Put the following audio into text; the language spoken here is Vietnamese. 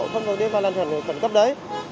không có đi vào làn khẩn cấp đấy